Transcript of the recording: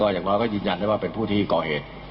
อย่างน้อยก็ยืนยันได้ว่าเป็นผู้ที่ก่อเหตุ